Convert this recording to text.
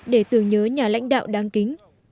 để tưởng nhớ nhà lãnh đạo đáng kính